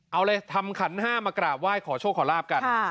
เอาเลยทำขันห้ามากราบไหว้ขอโชคขอลาบกัน